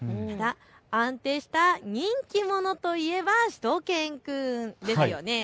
安定した人気者といえばしゅと犬くんですよね。